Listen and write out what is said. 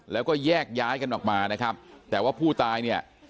แล้วก็แยกย้ายกันออกมานะครับแต่ว่าผู้ตายเนี่ย